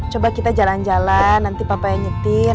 coba kita jalan jalan nanti papa yang nyetir